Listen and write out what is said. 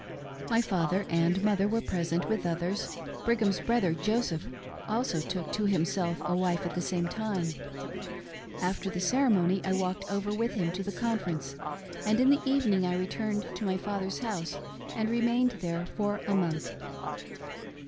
My father and mother were present, with others. Brigham's brother Joseph also took to himself a wife at the same time. After the ceremony I walked over with him to the conference, and in the evening I returned to my father's house and remained there for n month.